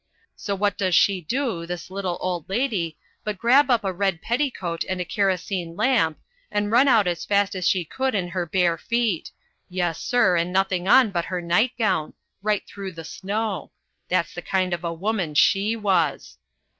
So what does she do, this little old lady, but grab up a red petticoat and a kerosene lamp, and run out as fast as she could in her bare feet, yes, sir, and nothing on but her night gown, right through the snow. That's the kind of a woman she was.